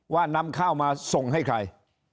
นำข้าวมาส่งให้ใคร